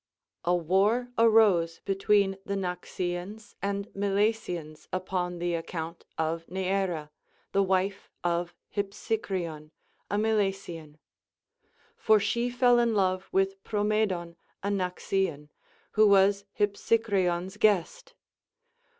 A Avar arose between the Naxians and Milesians upon the account of Neaera, the wife of Hypsicreon, a Milesian. For she fell in love with Promedon a Naxian, who was Hypsicreon s guest.